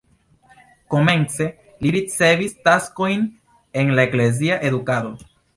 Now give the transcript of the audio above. Komence li ricevis taskojn en la eklezia edukado.